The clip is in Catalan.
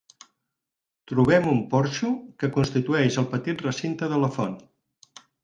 Trobem un porxo que constitueix el petit recinte de la font.